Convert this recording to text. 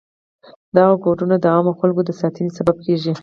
دغه کودونه د عامو خلکو د ساتنې سبب کیږي.